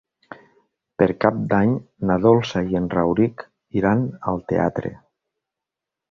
Per Cap d'Any na Dolça i en Rauric iran al teatre.